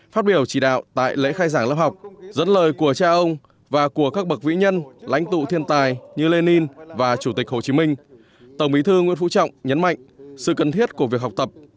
phát biểu chỉ đạo tại lễ khai giảng lớp học dẫn lời của cha ông và của các bậc vĩ nhân lãnh tụ thiên tài như lê ninh và chủ tịch hồ chí minh tổng bí thư nguyễn phú trọng nhấn mạnh sự cần thiết của việc học tập